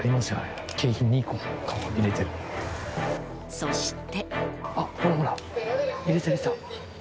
そして。